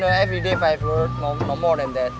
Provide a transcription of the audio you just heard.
saya belajar setiap hari lima kata tidak lebih dari itu